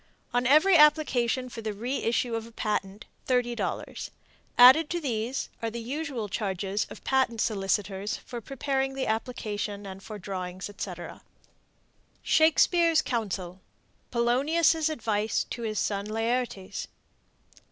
On every application for the reissue of a patent, $30. Added to these are the usual charges of patent solicitors for preparing the application and for drawings etc. SHAKESPEARE'S COUNSEL. (Polonius' Advice to His Son Laertes.)